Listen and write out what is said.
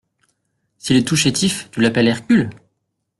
S’il est tout chétif, tu l’appelles Hercule?